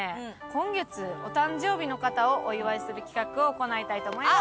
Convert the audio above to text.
今月お誕生日の方をお祝いする企画を行いたいと思います。